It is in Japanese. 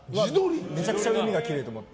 めちゃくちゃ海がきれいだと思って。